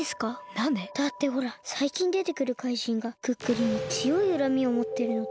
なんで？だってほらさいきんでてくるかいじんがクックルンにつよいうらみをもってるのって。